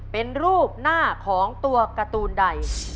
เป็นรูปหน้าของตัวการ์ตูนใด